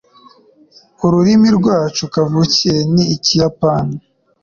Ururimi rwacu kavukire ni Ikiyapani.